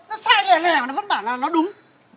nó sai lẻ lẻ mà nó vẫn bảo là nó đúng